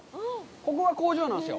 ここが工場なんですよ。